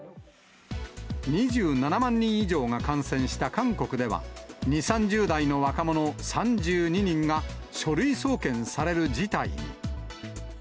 ２７万人以上が感染した韓国では、２、３０代の若者３２人が書類送検される事態に。